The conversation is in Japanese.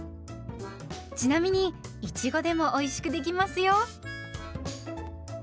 ちなみにいちごでもおいしくできますよ。